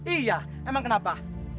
iya emang kenapa